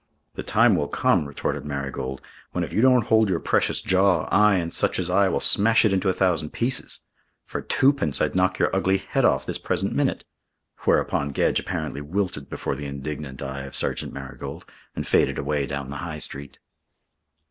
'" "The time will come," retorted Marigold, "when if you don't hold your precious jaw, I and such as I will smash it into a thousand pieces. For twopence I'd knock your ugly head off this present minute." Whereupon Gedge apparently wilted before the indignant eye of Sergeant Marigold and faded away down the High Street.